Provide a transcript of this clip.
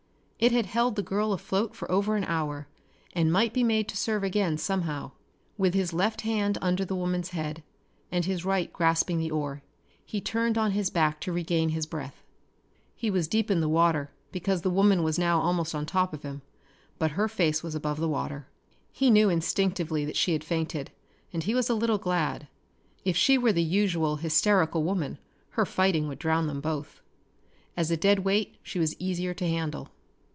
It had held the girl afloat for over an hour and might be made to serve again somehow. With his left hand under the woman's head and his right grasping the oar he turned on his back to regain his breath. He was deep in the water because the woman was now almost on top of him; but her face was above water. He knew instinctively that she had fainted, and he was a little glad. If she were the usual hysterical woman her fighting would drown them both. As a dead weight she was easier to handle.